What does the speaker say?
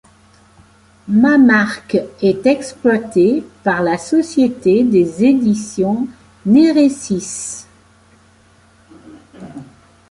Ma marque est exploitée par la société des Éditions Neresiss.